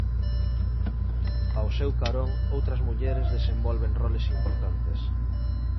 Ao seu carón, outras mulleres desenvolven roles importantes.